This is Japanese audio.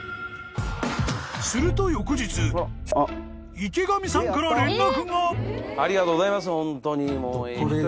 ［すると翌日池上さんから連絡が］